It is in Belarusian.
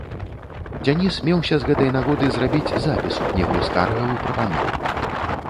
Дзяніс меўся з гэтай нагоды зрабіць запіс у кнігу скаргаў і прапаноў.